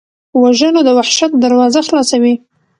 وژنه د وحشت دروازه خلاصوي